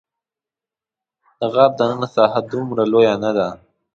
د غار دننه ساحه دومره لویه نه ده.